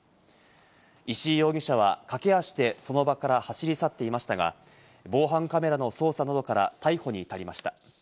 石井容疑者は駆け足でその場から走り去っていましたが、防犯カメラの捜査などから逮捕に至りました。